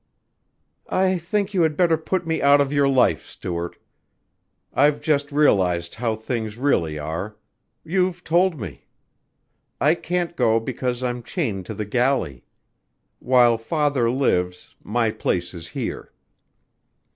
"I think you had better put me out of your life, Stuart. I've just realized how things really are you've told me. I can't go because I'm chained to the galley. While Father lives my place is here."